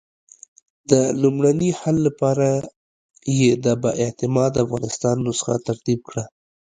د لومړني حل لپاره یې د با اعتماده افغانستان نسخه ترتیب کړه.